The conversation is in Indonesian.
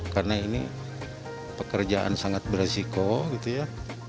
karena ini pekerjaan sangat beresiko gitu ya